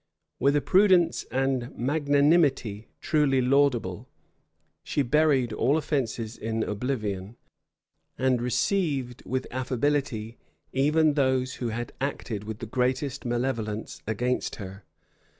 With a prudence and magnanimity truly laudable, she buried all offences in oblivion, and received with affability even those who had acted with the greatest malevolence against her.